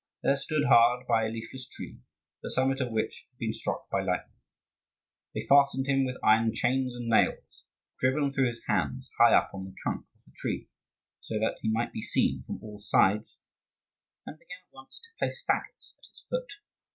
There stood hard by a leafless tree, the summit of which had been struck by lightning. They fastened him with iron chains and nails driven through his hands high up on the trunk of the tree, so that he might be seen from all sides; and began at once to place fagots at its foot.